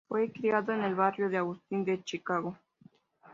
Fue criado en el barrio de Austin de Chicago.